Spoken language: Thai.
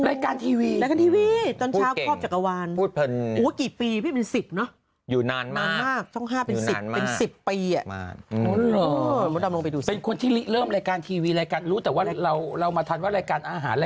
รายการทีวีพูดเก่งพูดเพลินรายการทีวีตอนเช้าครอบจักรวาล